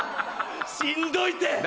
しんどいて！